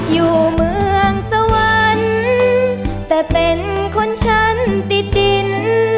อยู่เมืองสวรรค์แต่เป็นคนฉันติดดิน